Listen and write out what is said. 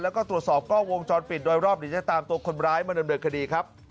แล้วก็ตรวจสอบกล้องวงจรปิดโดยรอบเดี๋ยวจะตามตัวคนร้ายมาดำเนินคดีครับ